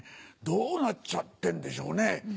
どうなっちゃってんでしょうね。